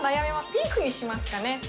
ピンクにしますかね。